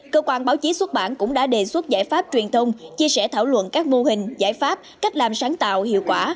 cơ quan báo chí xuất bản cũng đã đề xuất giải pháp truyền thông chia sẻ thảo luận các mô hình giải pháp cách làm sáng tạo hiệu quả